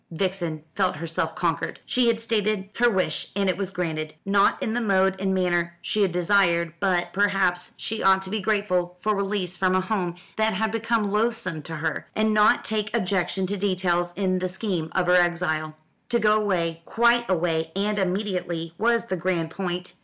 Vixen felt herself conquered. She had stated her wish, and it was granted; not in the mode and manner she had desired; but perhaps she ought to be grateful for release from a home that had become loathsome to her, and not take objection to details in the scheme of her exile. To go away, quite away, and immediately, was the grand point.